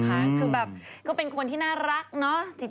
คือแบบก็เป็นคนที่น่ารักเนาะ